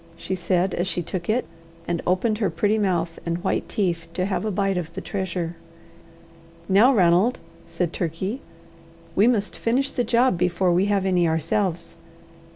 she said as she took it, and opened her pretty mouth and white teeth to have a bite of the treasure. "Now, Ranald," said Turkey, "we must finish the job before we have any ourselves."